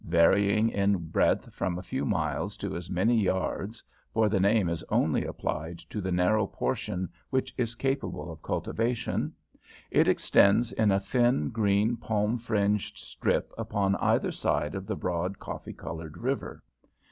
Varying in breadth from a few miles to as many yards (for the name is only applied to the narrow portion which is capable of cultivation), it extends in a thin, green, palm fringed strip upon either side of the broad coffee coloured river.